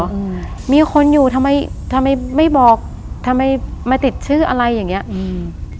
อืมมีคนอยู่ทำไมทำไมไม่บอกทำไมมาติดชื่ออะไรอย่างเงี้ยอืม